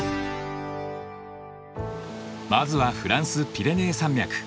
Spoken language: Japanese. まずはフランス・ピレネー山脈。